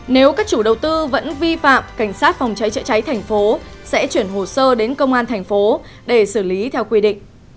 nếu các chủ đầu tư vẫn vi phạm cảnh sát phòng cháy chữa cháy tp sẽ chuyển hồ sơ đến công an tp để xử lý theo quy định